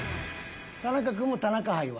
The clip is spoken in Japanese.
田中くんも田中杯は？